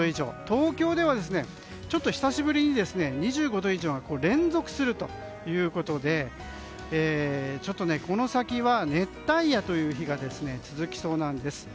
東京では久しぶりに２５度以上が連続するということでこの先は熱帯夜という日が続きそうなんです。